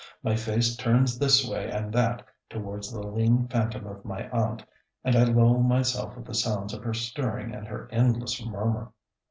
My face turns this way and that towards the lean phantom of my aunt, and I lull myself with the sounds of her stirring and her endless murmur.